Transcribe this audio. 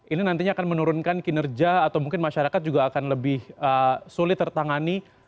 ini nantinya akan menurunkan kinerja atau mungkin masyarakat juga akan lebih sulit tertangani